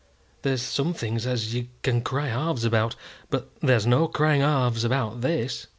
There's some things as you can cry halves about, but there's no crying halves about this."